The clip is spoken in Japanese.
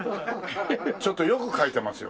ちょっと良く描いてますよ